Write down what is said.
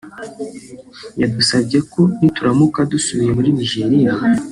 yadusabye ko nituramuka dusubiye muri Nigeria